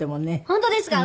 本当ですか？